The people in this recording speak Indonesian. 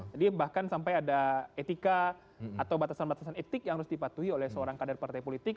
jadi bahkan sampai ada etika atau batasan batasan etik yang harus dipatuhi oleh seorang kader partai politik